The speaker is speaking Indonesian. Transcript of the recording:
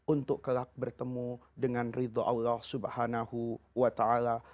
untuk kelak bertemu dengan ridho allah subhanahu wa ta'ala